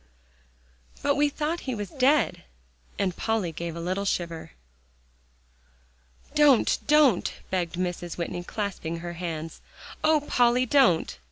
"But we thought he was dead," and Polly gave a little shiver. "Don't don't," begged Mrs. Whitney, clasping her hands; "Oh, Polly! don't."